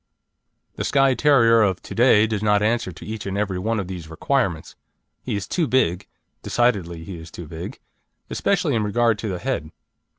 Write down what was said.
The Skye Terrier of to day does not answer to each and every one of these requirements. He is too big decidedly he is too big especially in regard to the head.